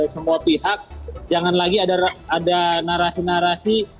semua pihak jangan lagi ada narasi narasi